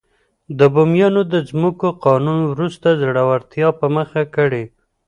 د بومیانو د ځمکو قانون وروسته ځوړتیا په مخه کړې.